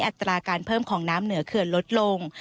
อัตราการเพิ่มของน้ำเหนือเขื่อนลดลง